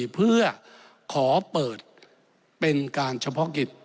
เพื่อขอเปิดเป็นการเฉพาะกิจ